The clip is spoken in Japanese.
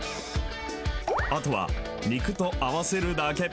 あとは肉と合わせるだけ。